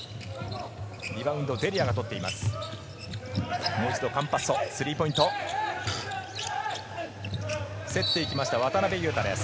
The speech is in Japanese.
リバウンドはデリアが取っています。